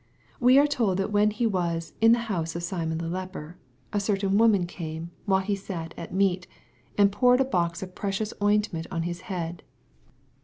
We are told that when He was "in the house of Simon the leper,'' a certain woman came, while He sat at 848 KXPOSITORY THOUGHTS. meat^ ^nd poui'ed a box of precious ointment on Hift head.